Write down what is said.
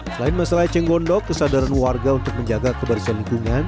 selain masalah eceng gondok kesadaran warga untuk menjaga kebersihan lingkungan